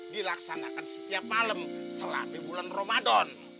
dilaksanakan setiap malam selama bulan ramadan